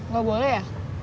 gak boleh ya